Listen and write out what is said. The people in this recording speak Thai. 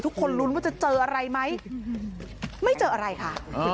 ทุกคนลุ้นว่าจะเจออะไรไหมไม่เจออะไรค่ะ